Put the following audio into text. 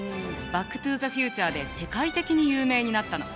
「バック・トゥ・ザ・フューチャー」で世界的に有名になったの。